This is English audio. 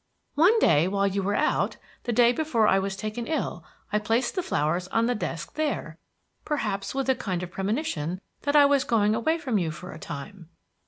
One day, while you were out, the day before I was taken ill, I placed the flowers on the desk there, perhaps with a kind of premonition that I was going away from you for a time."